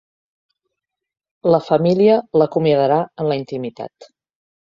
La família l'acomiadarà en la intimitat.